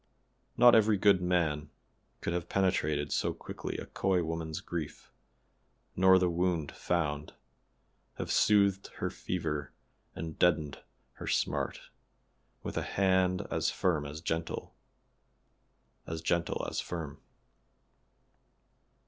Not every good man could have penetrated so quickly a coy woman's grief, nor, the wound found, have soothed her fever and deadened her smart with a hand as firm as gentle, as gentle as firm.